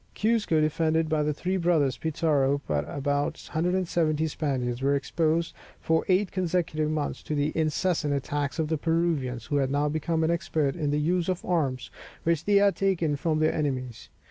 Cuzco, defended by the three brothers Pizarro with but 170 Spaniards, was exposed for eight consecutive months to the incessant attacks of the Peruvians, who had now become expert in the use of the arms which they had taken from their enemies.